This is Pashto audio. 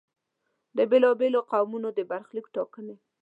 د بېلا بېلو قومونو د برخلیک ټاکنې.